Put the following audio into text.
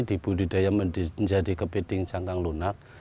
dibudidayakan menjadi kepiting cangkang lunak